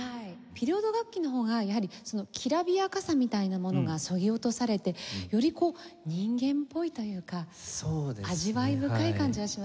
ピリオド楽器のほうがやはりそのきらびやかさみたいなものがそぎ落とされてより人間っぽいというか味わい深い感じはしましたね。